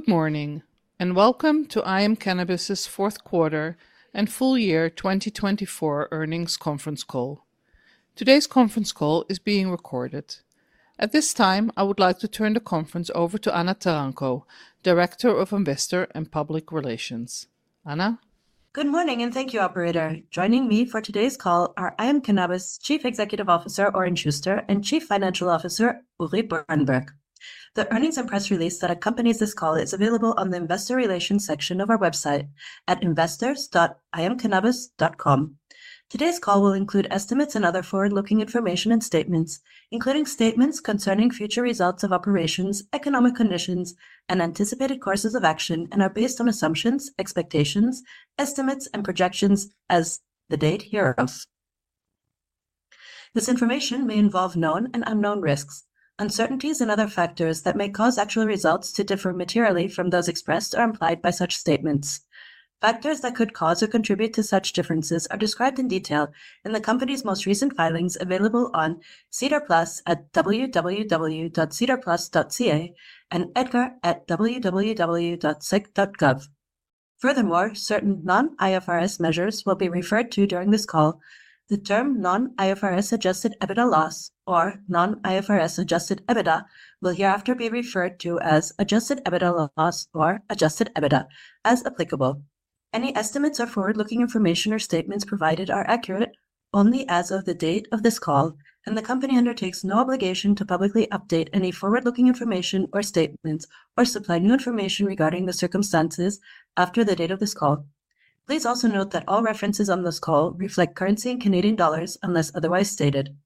Good morning, and welcome to IM Cannabis's fourth quarter and full year 2024 earnings conference call. Today's conference call is being recorded. At this time, I would like to turn the conference over to Anna Taranko, Director of Investor and Public Relations. Anna? Good morning, and thank you, Operator. Joining me for today's call are IM Cannabis Chief Executive Officer Oren Shuster and Chief Financial Officer Uri Birenberg. The earnings and press release that accompanies this call is available on the Investor Relations section of our website at investors.imcannabis.com. Today's call will include estimates and other forward-looking information and statements, including statements concerning future results of operations, economic conditions, and anticipated courses of action, and are based on assumptions, expectations, estimates, and projections as of the date hereof. This information may involve known and unknown risks, uncertainties, and other factors that may cause actual results to differ materially from those expressed or implied by such statements. Factors that could cause or contribute to such differences are described in detail in the company's most recent filings available on SEDAR+ at www.sedarplus.ca and EDGAR at www.sec.gov. Furthermore, certain non-IFRS measures will be referred to during this call. The term non-IFRS Adjusted EBITDA loss, or non-IFRS Adjusted EBITDA, will hereafter be referred to as Adjusted EBITDA loss or Adjusted EBITDA, as applicable. Any estimates or forward-looking information or statements provided are accurate only as of the date of this call, and the company undertakes no obligation to publicly update any forward-looking information or statements or supply new information regarding the circumstances after the date of this call. Please also note that all references on this call reflect currency in Canadian dollars unless otherwise stated.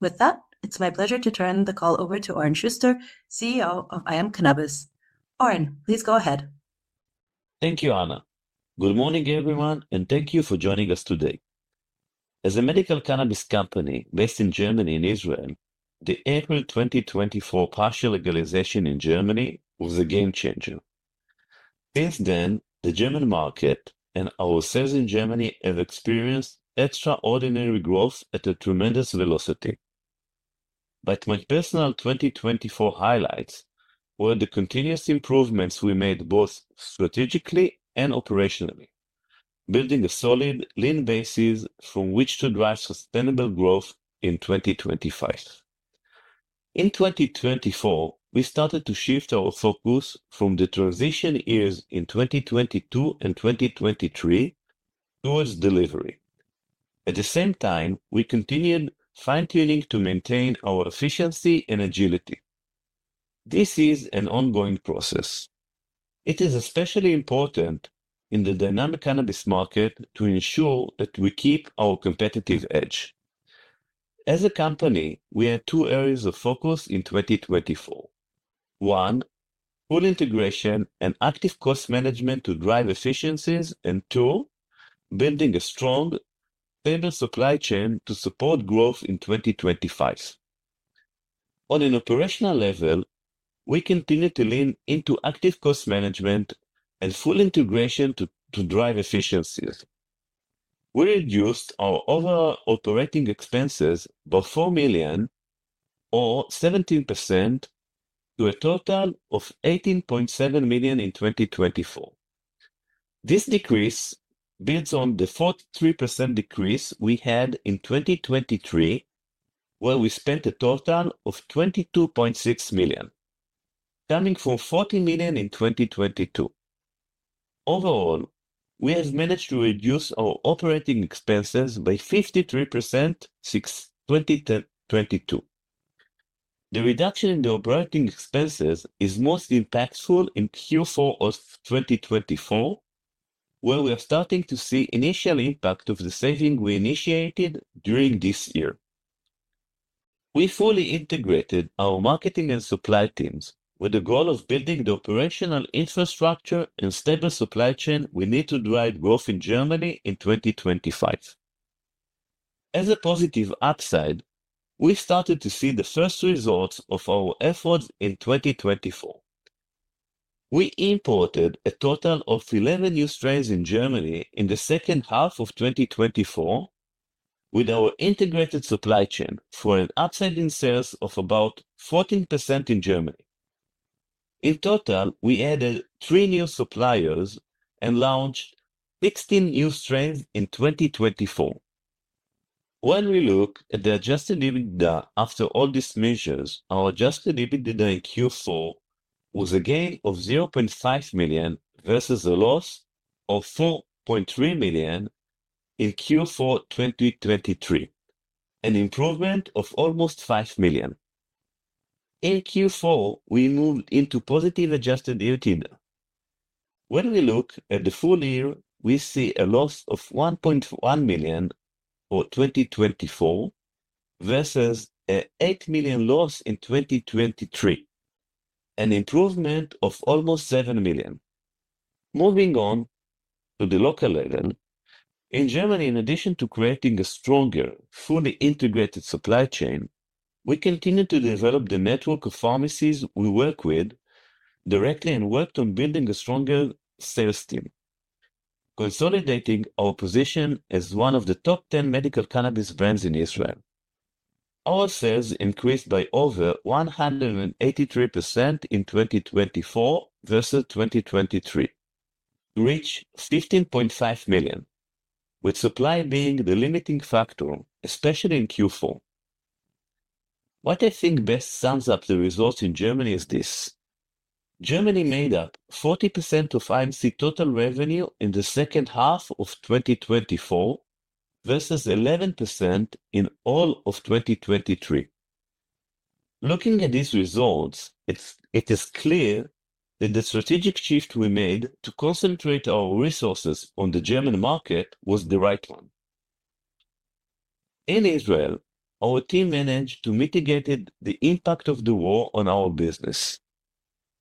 With that, it's my pleasure to turn the call over to Oren Shuster, CEO of IM Cannabis. Oren, please go ahead. Thank you, Anna. Good morning, everyone, and thank you for joining us today. As a medical cannabis company based in Germany and Israel, the April 2024 partial legalization in Germany was a game-changer. Since then, the German market and our sales in Germany have experienced extraordinary growth at a tremendous velocity. My personal 2024 highlights were the continuous improvements we made both strategically and operationally, building a solid lean basis from which to drive sustainable growth in 2025. In 2024, we started to shift our focus from the transition years in 2022 and 2023 towards delivery. At the same time, we continued fine-tuning to maintain our efficiency and agility. This is an ongoing process. It is especially important in the dynamic cannabis market to ensure that we keep our competitive edge. As a company, we had two areas of focus in 2024: one, full integration and active cost management to drive efficiencies; and two, building a strong stable supply chain to support growth in 2025. On an operational level, we continue to lean into active cost management and full integration to drive efficiencies. We reduced our overall operating expenses by 4 million, or 17%, to a total of 18.7 million in 2024. This decrease builds on the 43% decrease we had in 2023, where we spent a total of 22.6 million, coming from 40 million in 2022. Overall, we have managed to reduce our operating expenses by 53% since 2022. The reduction in the operating expenses is most impactful in Q4 of 2024, where we are starting to see initial impact of the saving we initiated during this year. We fully integrated our marketing and supply teams with the goal of building the operational infrastructure and stable supply chain we need to drive growth in Germany in 2025. As a positive upside, we started to see the first results of our efforts in 2024. We imported a total of 11 new strains in Germany in the second half of 2024, with our integrated supply chain for an upside in sales of about 14% in Germany. In total, we added three new suppliers and launched 16 new strains in 2024. When we look at the Adjusted EBITDA after all these measures, our Adjusted EBITDA in Q4 was a gain of 500,000 versus a loss of 4.3 million in Q4 2023, an improvement of almost 5 million. In Q4, we moved into positive Adjusted EBITDA. When we look at the full year, we see a loss of 1.1 million for 2024 versus a 8 million loss in 2023, an improvement of almost 7 million. Moving on to the local level, in Germany, in addition to creating a stronger, fully integrated supply chain, we continue to develop the network of pharmacies we work with directly and worked on building a stronger sales team, consolidating our position as one of the top 10 medical cannabis brands in Israel. Our sales increased by over 183% in 2024 versus 2023, reaching 15.5 million, with supply being the limiting factor, especially in Q4. What I think best sums up the results in Germany is this: Germany made up 40% of IM Cannabis total revenue in the second half of 2024 versus 11% in all of 2023. Looking at these results, it is clear that the strategic shift we made to concentrate our resources on the German market was the right one. In Israel, our team managed to mitigate the impact of the war on our business: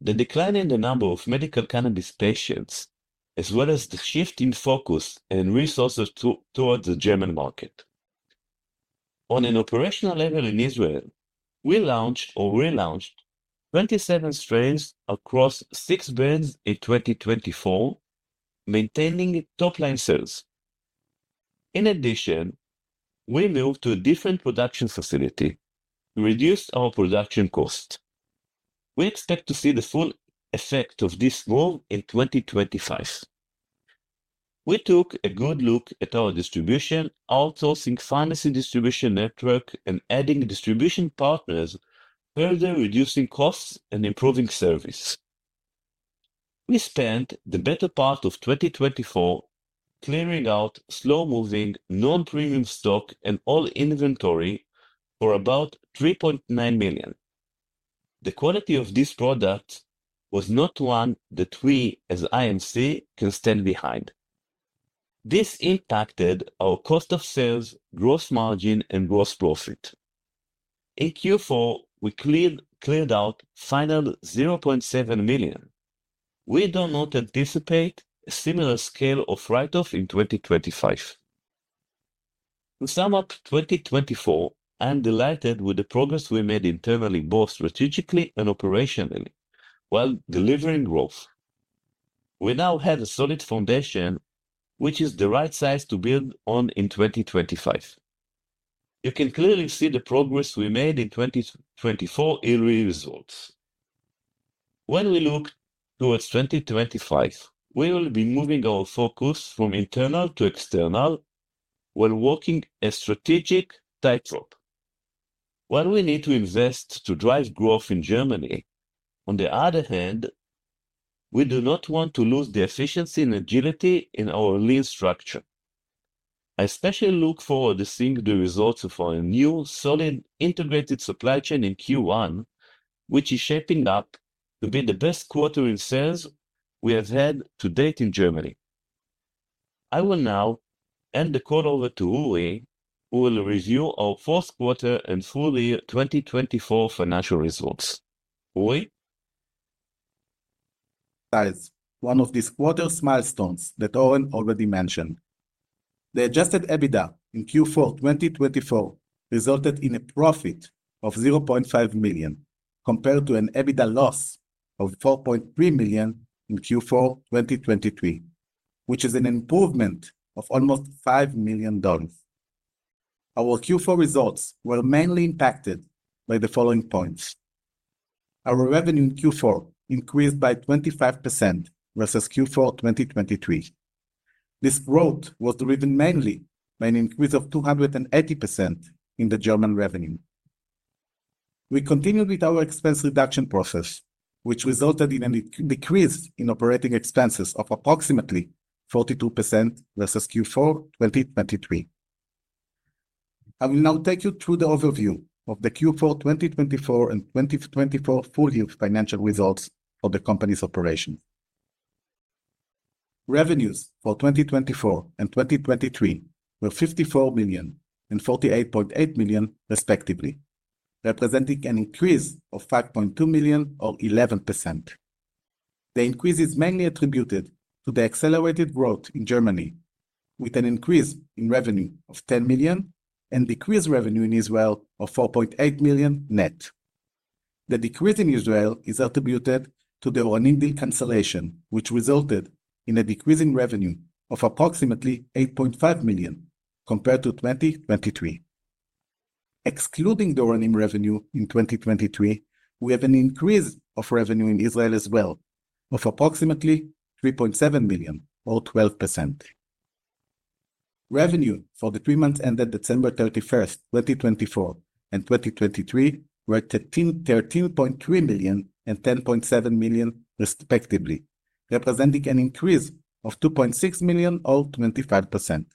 the decline in the number of medical cannabis patients, as well as the shift in focus and resources towards the German market. On an operational level in Israel, we launched or relaunched 27 strains across six brands in 2024, maintaining top-line sales. In addition, we moved to a different production facility to reduce our production costs. We expect to see the full effect of this move in 2025. We took a good look at our distribution, outsourcing pharmacy distribution network, and adding distribution partners, further reducing costs and improving service. We spent the better part of 2024 clearing out slow-moving, non-premium stock and all inventory for about 3.9 million. The quality of these products was not one that we, as IM Cannabis, can stand behind. This impacted our cost of sales, gross margin, and gross profit. In Q4, we cleared out final 0.7 million. We do not anticipate a similar scale of write-off in 2025. To sum up 2024, I am delighted with the progress we made internally, both strategically and operationally, while delivering growth. We now have a solid foundation, which is the right size to build on in 2025. You can clearly see the progress we made in 2024 year results. When we look towards 2025, we will be moving our focus from internal to external while working a strategic tightrope, while we need to invest to drive growth in Germany. On the other hand, we do not want to lose the efficiency and agility in our lean structure. I especially look forward to seeing the results of our new solid integrated supply chain in Q1, which is shaping up to be the best quarter in sales we have had to date in Germany. I will now hand the call over to Uri, who will review our fourth quarter and full year 2024 financial results. Uri? That is one of these quarter milestones that Oren already mentioned. The Adjusted EBITDA in Q4 2024 resulted in a profit of $500,000 compared to an EBITDA loss of $4,300,000 in Q4 2023, which is an improvement of almost $5 million. Our Q4 results were mainly impacted by the following points: our revenue in Q4 increased by 25% versus Q4 2023. This growth was driven mainly by an increase of 280% in the German revenue. We continued with our expense reduction process, which resulted in a decrease in operating expenses of approximately 42% versus Q4 2023. I will now take you through the overview of the Q4 2024 and 2024 full year financial results for the company's operations. Revenues for 2024 and 2023 were $54 million and $48.8 million, respectively, representing an increase of $5.2 million, or 11%. The increase is mainly attributed to the accelerated growth in Germany, with an increase in revenue of 10 million and decreased revenue in Israel of 4.8 million net. The decrease in Israel is attributed to the Oranim deal cancellation, which resulted in a decrease in revenue of approximately 8.5 million compared to 2023. Excluding the Oranim revenue in 2023, we have an increase of revenue in Israel as well of approximately 3.7 million, or 12%. Revenue for the three months ended December 31, 2024, and 2023 were 13.3 million and 10.7 million, respectively, representing an increase of 2.6 million, or 25%.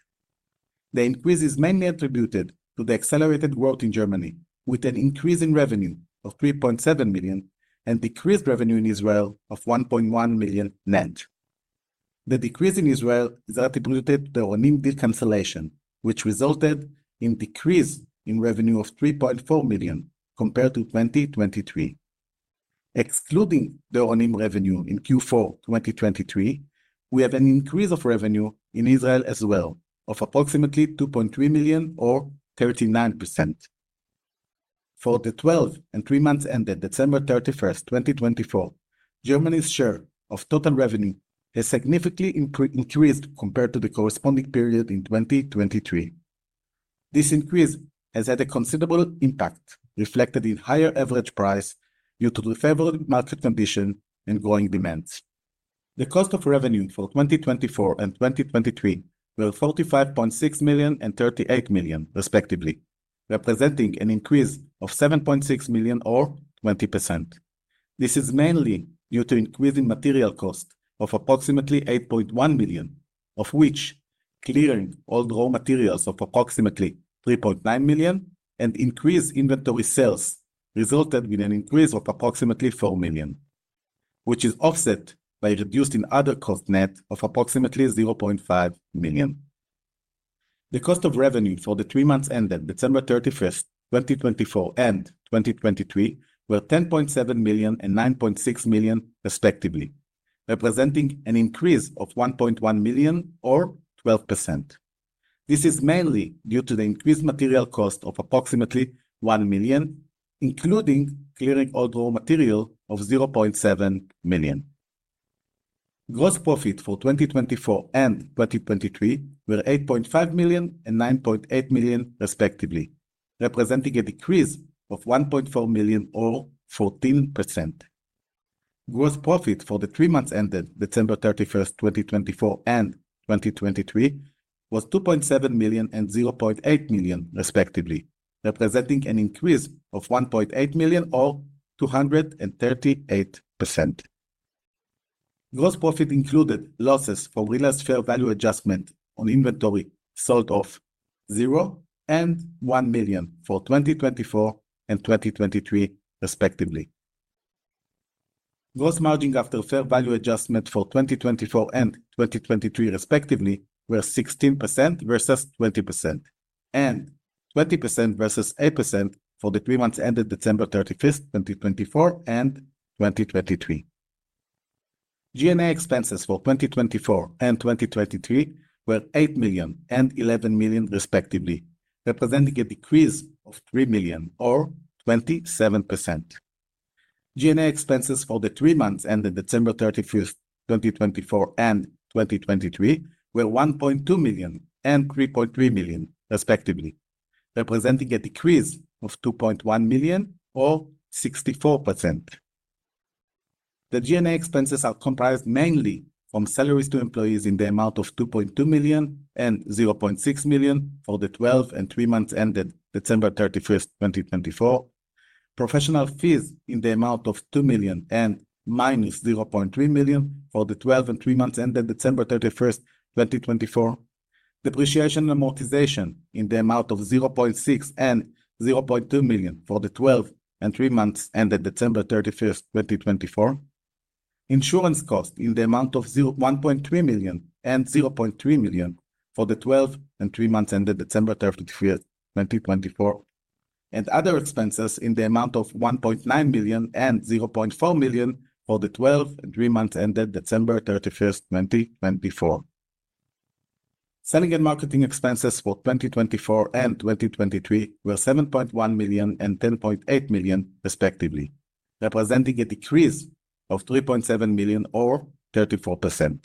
The increase is mainly attributed to the accelerated growth in Germany, with an increase in revenue of 3.7 million and decreased revenue in Israel of 1.1 million net. The decrease in Israel is attributed to the Oranim deal cancellation, which resulted in a decrease in revenue of 3.4 million compared to 2023. Excluding the Oranim revenue in Q4 2023, we have an increase of revenue in Israel as well of approximately 2.3 million, or 39%. For the twelve and three months ended December 31, 2024, Germany's share of total revenue has significantly increased compared to the corresponding period in 2023. This increase has had a considerable impact, reflected in higher average price due to the favorable market conditions and growing demand. The cost of revenue for 2024 and 2023 were 45.6 million and 38 million, respectively, representing an increase of 7.6 million, or 20%. This is mainly due to increasing material costs of approximately 8.1 million, of which clearing old raw materials of approximately 3.9 million and increased inventory sales resulted in an increase of approximately 4 million, which is offset by a reduced in other cost net of approximately 0.5 million. The cost of revenue for the three months ended December 31, 2024, and 2023 were 10.7 million and 9.6 million, respectively, representing an increase of 1.1 million, or 12%. This is mainly due to the increased material cost of approximately 1 million, including clearing old raw material of 0.7 million. Gross profit for 2024 and 2023 were 8.5 million and 9.8 million, respectively, representing a decrease of 1.4 million, or 14%. Gross profit for the three months ended December 31, 2024, and 2023 was 2.7 million and 0.8 million, respectively, representing an increase of 1.8 million, or 238%. Gross profit included losses for realized fair value adjustment on inventory sold of 0 and 1 million for 2024 and 2023, respectively. Gross margin after fair value adjustment for 2024 and 2023, respectively, were 16% versus 20%, and 20% versus 8% for the three months ended December 31, 2024, and 2023. G&A expenses for 2024 and 2023 were 8 million and 11 million, respectively, representing a decrease of 3 million, or 27%. G&A expenses for the three months ended December 31, 2024, and 2023 were 1.2 million and 3.3 million, respectively, representing a decrease of 2.1 million, or 64%. The G&A expenses are comprised mainly from salaries to employees in the amount of 2.2 million and 0.6 million for the 12 and three months ended December 31, 2024, professional fees in the amount of 2 million and minus 0.3 million for the 12 and three months ended December 31, 2024, depreciation and amortization in the amount of 0.6 million and 0.2 million for the 12 and three months ended December 31, 2024, insurance costs in the amount of 1.3 million and 0.3 million for the 12 and three months ended December 31, 2024, and other expenses in the amount of 1.9 million and 0.4 million for the 12 and three months ended December 31, 2024. Selling and marketing expenses for 2024 and 2023 were 7.1 million and 10.8 million, respectively, representing a decrease of 3.7 million, or 34%.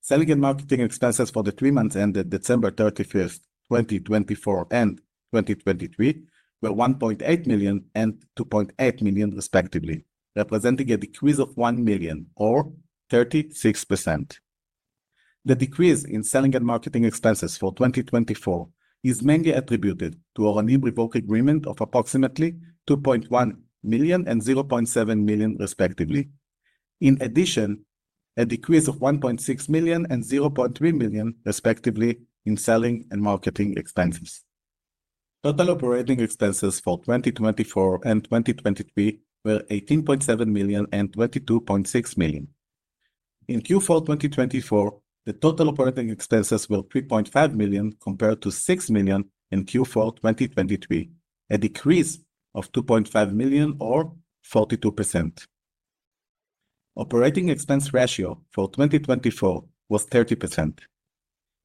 Selling and marketing expenses for the three months ended December 31, 2024, and 2023 were 1.8 million and 2.8 million, respectively, representing a decrease of 1 million, or 36%. The decrease in selling and marketing expenses for 2024 is mainly attributed to Oranim revoked agreement of approximately 2.1 million and 0.7 million, respectively, in addition to a decrease of 1.6 million and 0.3 million, respectively, in selling and marketing expenses. Total operating expenses for 2024 and 2023 were 18.7 million and 22.6 million. In Q4 2024, the total operating expenses were 3.5 million compared to 6 million in Q4 2023, a decrease of 2.5 million, or 42%. Operating expense ratio for 2024 was 30%,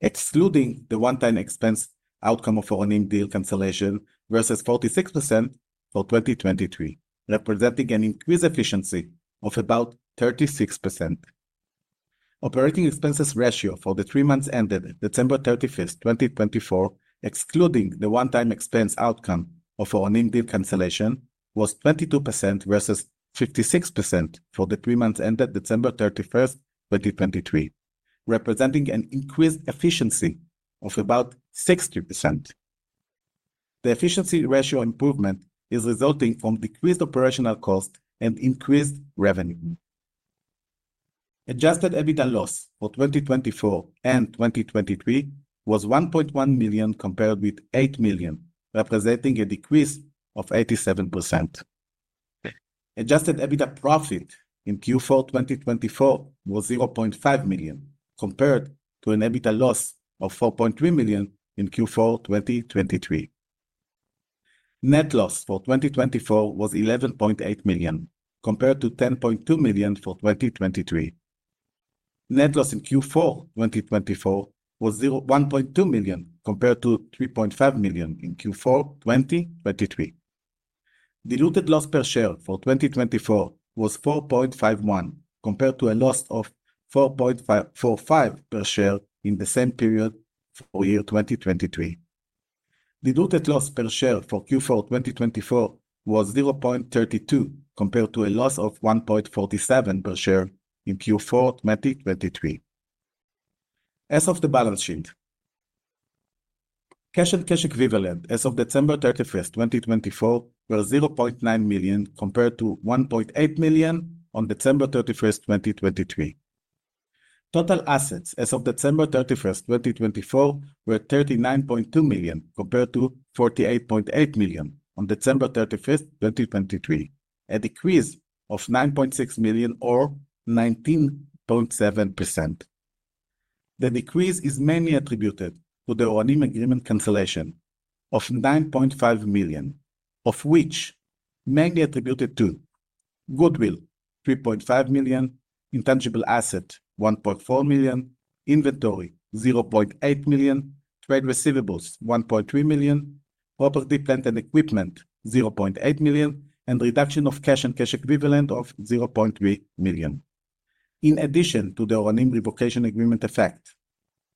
excluding the one-time expense outcome of Oranim deal cancellation versus 46% for 2023, representing an increased efficiency of about 36%. Operating expenses ratio for the three months ended December 31, 2024, excluding the one-time expense outcome of Oranim deal cancellation was 22% versus 56% for the three months ended December 31, 2023, representing an increased efficiency of about 60%. The efficiency ratio improvement is resulting from decreased operational costs and increased revenue. Adjusted EBITDA loss for 2024 and 2023 was 1.1 million compared with 8 million, representing a decrease of 87%. Adjusted EBITDA profit in Q4 2024 was 0.5 million compared to an EBITDA loss of 4.3 million in Q4 2023. Net loss for 2024 was 11.8 million compared to 10.2 million for 2023. Net loss in Q4 2024 was 1.2 million compared to 3.5 million in Q4 2023. Diluted loss per share for 2024 was 4.51 compared to a loss of 4.45 per share in the same period for year 2023. Diluted loss per share for Q4 2024 was $0.32 compared to a loss of $1.47 per share in Q4 2023. As of the balance sheet, cash and cash equivalent as of December 31, 2024, were 0.9 million compared to 1.8 million on December 31, 2023. Total assets as of December 31, 2024, were 39.2 million compared to 48.8 million on December 31, 2023, a decrease of 9.6 million, or 19.7%. The decrease is mainly attributed to the Oranim agreement cancellation of 9.5 million, of which mainly attributed to goodwill 3.5 million, intangible asset 1.4 million, inventory 0.8 million, trade receivables 1.3 million, property, plant, and equipment 0.8 million, and reduction of cash and cash equivalent of 0.3 million. In addition to the Oranim revocation agreement effect,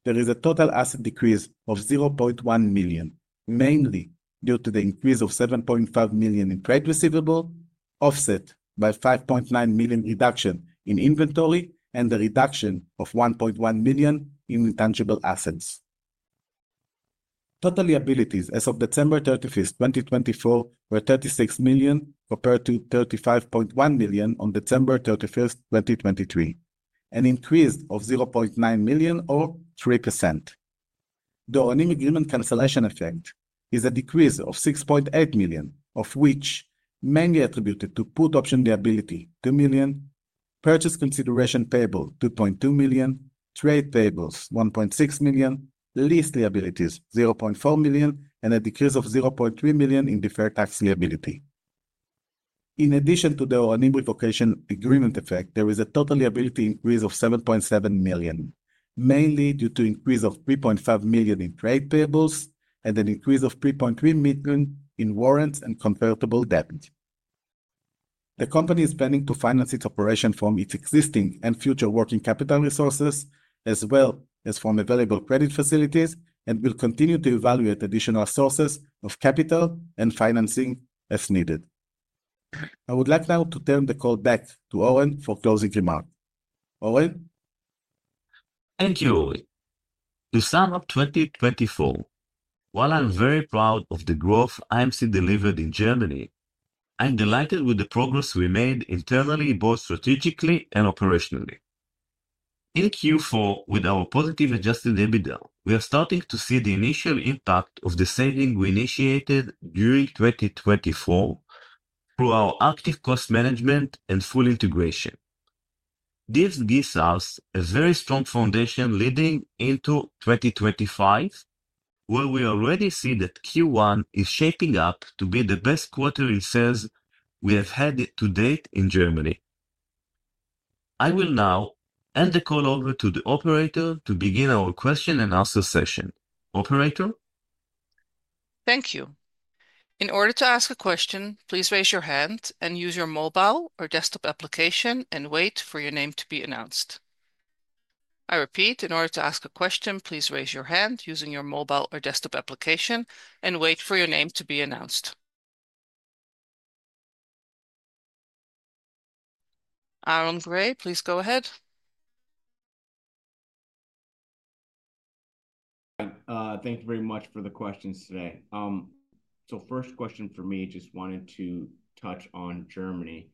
there is a total asset decrease of 0.1 million, mainly due to the increase of 7.5 million in trade receivable, offset by 5.9 million reduction in inventory, and the reduction of 1.1 million in intangible assets. Total liabilities as of December 31, 2024, were 36 million compared to 35.1 million on December 31, 2023, an increase of 0.9 million, or 3%. The Oranim agreement cancellation effect is a decrease of 6.8 million, of which mainly attributed to put option liability 2 million, purchase consideration payable 2.2 million, trade payables 1.6 million, lease liabilities 0.4 million, and a decrease of 0.3 million in deferred tax liability. In addition to the Oranim revocation agreement effect, there is a total liability increase of 7.7 million, mainly due to an increase of 3.5 million in trade payables and an increase of 3.3 million in warrants and convertible debt. The company is planning to finance its operation from its existing and future working capital resources, as well as from available credit facilities, and will continue to evaluate additional sources of capital and financing as needed. I would like now to turn the call back to Oren for closing remarks. Oren? Thank you, Uri. To sum up 2024, while I'm very proud of the growth IM Cannabis delivered in Germany, I'm delighted with the progress we made internally, both strategically and operationally. In Q4, with our positive Adjusted EBITDA, we are starting to see the initial impact of the saving we initiated during 2024 through our active cost management and full integration. This gives us a very strong foundation leading into 2025, where we already see that Q1 is shaping up to be the best quarter in sales we have had to date in Germany. I will now hand the call over to the operator to begin our question and answer session. Operator? Thank you. In order to ask a question, please raise your hand and use your mobile or desktop application and wait for your name to be announced. I repeat, in order to ask a question, please raise your hand using your mobile or desktop application and wait for your name to be announced. Aaron Gray, please go ahead. Thank you very much for the questions today. First question for me, just wanted to touch on Germany.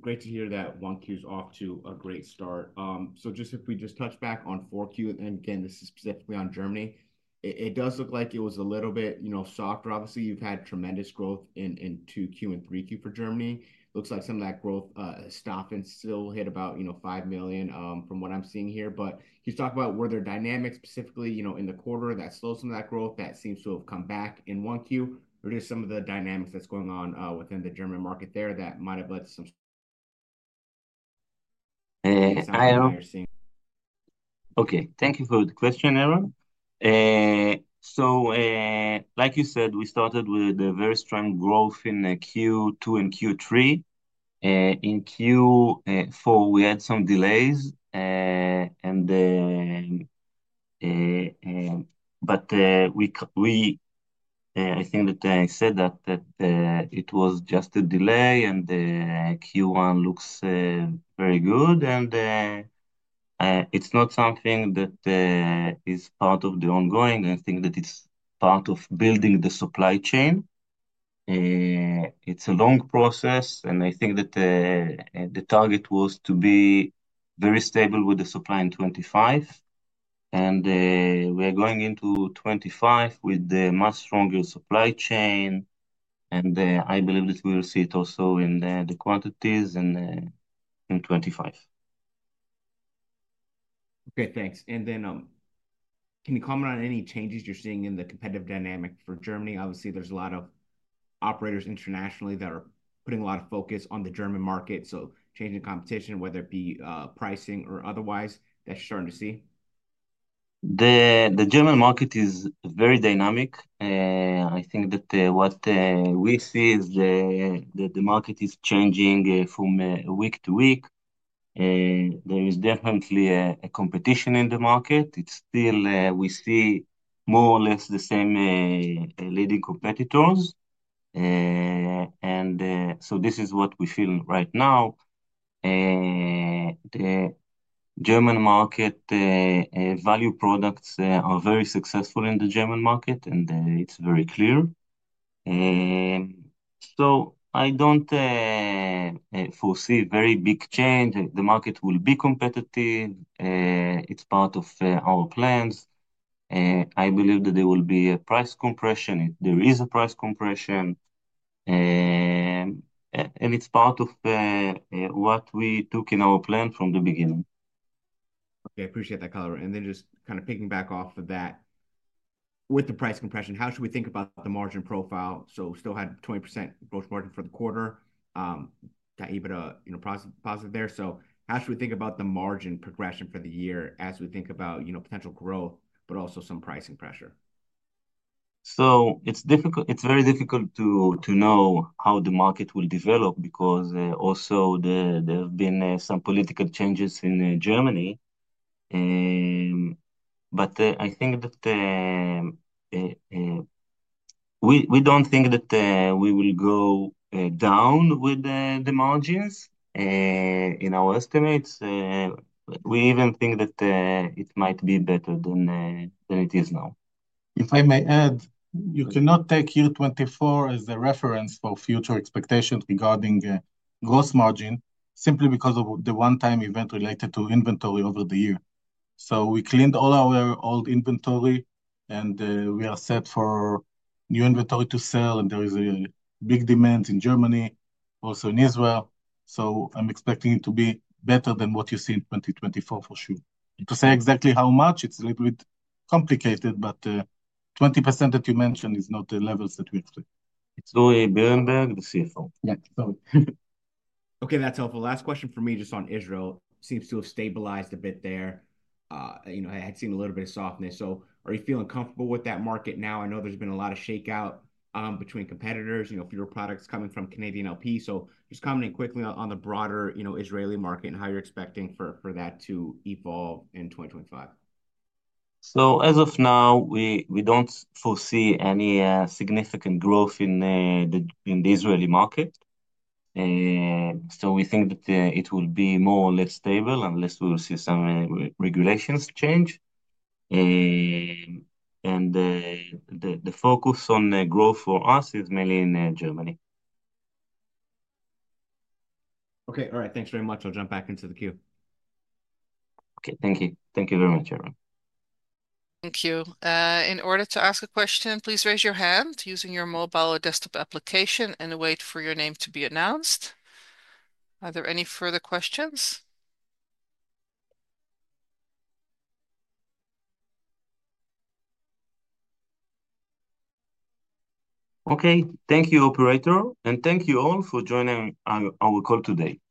Great to hear that 1Q is off to a great start. If we just touch back on 4Q, and again, this is specifically on Germany, it does look like it was a little bit, you know, softer. Obviously, you've had tremendous growth in 2Q and 3Q for Germany. Looks like some of that growth stopped and still hit about, you know, $5 million from what I'm seeing here. But he talked about were there dynamics specifically, you know, in the quarter that slowed some of that growth that seems to have come back in 1Q. Or just some of the dynamics that's going on within the German market there that might have led to some. Hi, Aaron. Okay, thank you for the question, Aaron. Like you said, we started with a very strong growth in Q2 and Q3. In Q4, we had some delays, but I think that I said that it was just a delay, and Q1 looks very good, and it's not something that is part of the ongoing. I think that it's part of building the supply chain. It's a long process, and I think that the target was to be very stable with the supply in 2025, and we are going into 2025 with the much stronger supply chain, and I believe that we will see it also in the quantities in 2025. Okay, thanks. Can you comment on any changes you're seeing in the competitive dynamic for Germany? Obviously, there's a lot of operators internationally that are putting a lot of focus on the German market, so changing competition, whether it be pricing or otherwise, that you're starting to see? The German market is very dynamic. I think that what we see is that the market is changing from week to week. There is definitely a competition in the market. It's still, we see more or less the same leading competitors. This is what we feel right now. The German market value products are very successful in the German market, and it's very clear. I don't foresee very big change. The market will be competitive. It's part of our plans. I believe that there will be a price compression. There is a price compression, and it's part of what we took in our plan from the beginning. Okay, I appreciate that color. Just kind of picking back off of that, with the price compression, how should we think about the margin profile? Still had 20% gross margin for the quarter. That EBITDA, you know, positive there. How should we think about the margin progression for the year as we think about, you know, potential growth, but also some pricing pressure? It is difficult. It is very difficult to know how the market will develop because also there have been some political changes in Germany. I think that we do not think that we will go down with the margins in our estimates. We even think that it might be better than it is now. If I may add, you cannot take Q4 as a reference for future expectations regarding gross margin simply because of the one-time event related to inventory over the year. We cleaned all our old inventory, and we are set for new inventory to sell, and there is a big demand in Germany, also in Israel. I'm expecting it to be better than what you see in 2024 for sure. To say exactly how much, it's a little bit complicated, but 20% that you mentioned is not the levels that we expect. It's Uri Birenberg, the CFO. Okay, that's helpful. Last question for me, just on Israel. Seems to have stabilized a bit there. You know, I had seen a little bit of softness. Are you feeling comfortable with that market now? I know there's been a lot of shakeout between competitors, you know, fewer products coming from Canadian LP. Just commenting quickly on the broader, you know, Israeli market and how you're expecting for that to evolve in 2025. As of now, we do not foresee any significant growth in the Israeli market. We think that it will be more or less stable unless we see some regulations change. The focus on growth for us is mainly in Germany. Okay, all right. Thanks very much. I will jump back into the queue. Okay, thank you. Thank you very much, Aaron. Thank you. In order to ask a question, please raise your hand using your mobile or desktop application and wait for your name to be announced. Are there any further questions? Okay, thank you, Operator, and thank you all for joining our call today.